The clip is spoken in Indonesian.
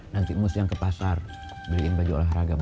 nanti imas yang ke pasar beliin baju olahraga buat ma